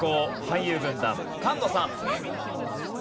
俳優軍団菅野さん。